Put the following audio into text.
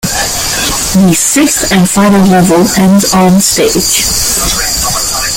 The sixth and final level ends on-stage.